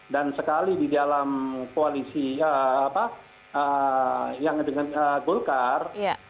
dan sekali di dalam koalisi yang dengan golkar